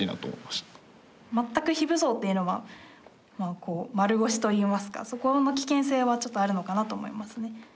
全く非武装というのは丸腰といいますかそこの危険性はちょっとあるのかなと思いますね。